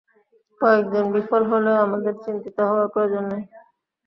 জনকয়েক বিফল হলেও আমাদের চিন্তিত হওয়ার প্রয়োজন নেই।